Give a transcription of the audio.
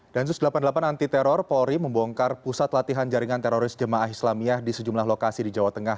dan sus delapan puluh delapan anti teror polri membongkar pusat latihan jaringan teroris jemaah islamiyah di sejumlah lokasi di jawa tengah